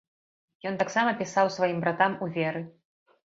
Ён таксама пісаў сваім братам у веры.